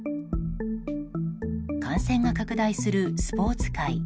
感染が拡大するスポーツ界。